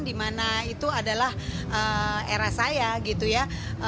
dimana itu adalah era saya gitu ya